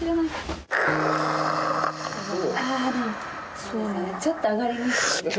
くあでもそうですねちょっと上がり気味でしたね